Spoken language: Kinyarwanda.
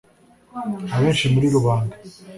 abenshi muri rubanda